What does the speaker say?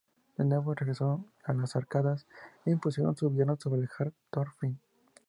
De nuevo regresaron a las Orcadas e impusieron su gobierno sobre el jarl Thorfinn.